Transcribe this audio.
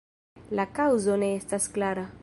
La kaŭzo ne estas klara.